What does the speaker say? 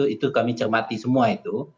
itu kami cermati semua itu